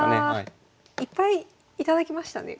いやいっぱい頂きましたねこれ。